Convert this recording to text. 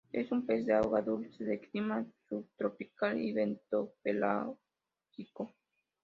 Es un pez de agua dulce, de clima subtropical y bentopelágico.